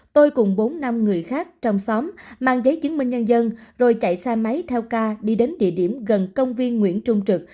tôi cùng bốn năm người khác trong xóm mang giấy chứng minh nhân dân rồi chạy xe máy theo ca đi đến địa điểm gần công viên nguyễn trung trực